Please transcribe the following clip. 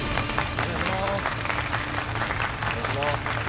お願いします。